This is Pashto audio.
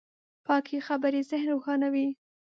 پاکې خبرې ذهن روښانوي.